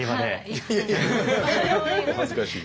いやいやいやお恥ずかしい。